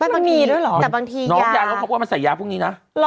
มันมีด้วยเหรอน้องยาโรคคอมอ้วนมันใส่ยาพวกนี้นะ